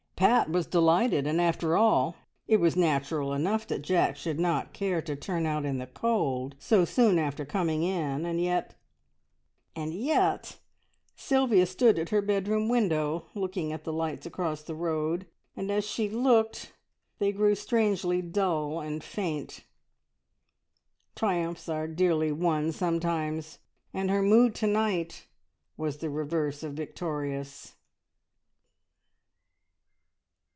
Pat was delighted, and after all it was natural enough that Jack should not care to turn out in the cold so soon after coming in, and yet and yet Sylvia stood at her bedroom window looking at the lights across the road, and as she looked they grew strangely dull and faint. Triumphs are dearly won sometimes, and her mood to night was the reverse of victorious.